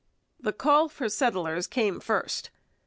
The call for settlers came first.